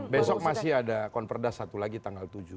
besok masih ada konverda satu lagi tanggal tujuh di jawa timur